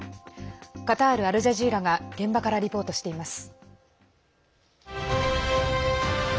カタール・アルジャジーラが現場からリポートしています。